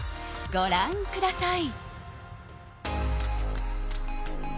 ご覧ください。